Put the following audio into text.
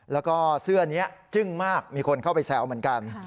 แล้วก็เสื้อนี้จึ้งมากมีคนเข้าไปแซวเหมือนกัน